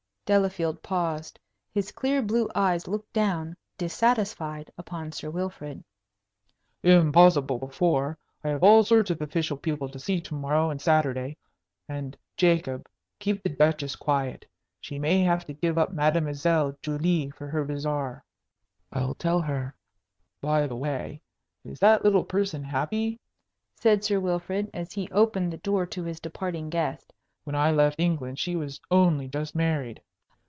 Delafield paused. His clear blue eyes looked down, dissatisfied, upon Sir Wilfrid. "Impossible before. I have all sorts of official people to see to morrow and Saturday. And, Jacob, keep the Duchess quiet. She may have to give up Mademoiselle Julie for her bazaar." "I'll tell her." "By the way, is that little person happy?" said Sir Wilfrid, as he opened the door to his departing guest. "When I left England she was only just married."